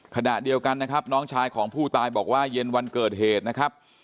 ขณะเดียวกันนะครับน้องชายของผู้ตายบอกว่าเย็นวันเกิดเหตุนะครับ